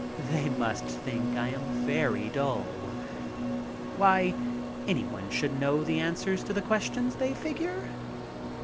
They must think I am very dull. Why, anyone should know the answers to the questions, they figure.